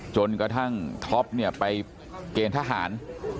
จนกระทั่งท็อปเนี่ยไปเกณฑ์ทหาร